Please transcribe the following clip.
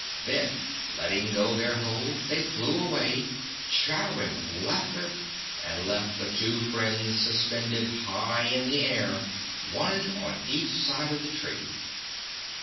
Then, letting go their hold, they flew away, chattering with laughter, and left the two friends suspended high in the air one on each side of the tree.